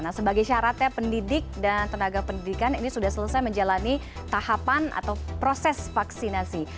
nah sebagai syaratnya pendidik dan tenaga pendidikan ini sudah selesai menjalani tahapan atau proses vaksinasi